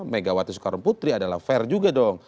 megawati soekarnoputri adalah fair juga dong